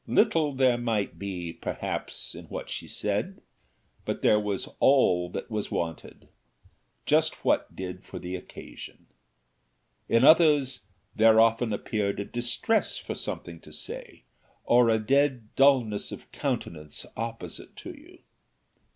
Little there might be, perhaps, in what she said, but there was all that was wanted, just what did for the occasion. In others there often appeared a distress for something to say, or a dead dullness of countenance opposite to you.